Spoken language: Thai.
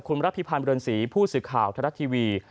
คุณรับพิพันธ์เรือนศรีผู้สื่อข่าวทรัฐทีวี